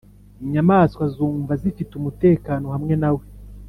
inyamaswa zumva zifite umutekano hamwe na we,